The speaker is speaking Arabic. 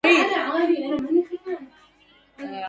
ايمكنك ايجاد الطريق للمنزل؟